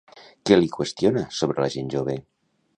Què li qüestiona sobre la gent jove?